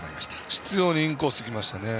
執ようにインコース来ましたね。